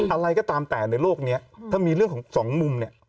อะไรก็ตามแต่ในโลกนี้ถ้ามีเรื่องของสองมุมเนี่ย